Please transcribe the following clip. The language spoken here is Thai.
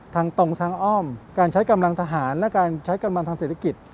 ทางตรงทางอ้อมการใช้กำลังทหารและการใช้กำลังทางเศรษฐกิจ